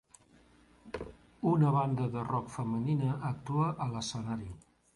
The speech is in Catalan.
Una banda de rock femenina actua a l'escenari.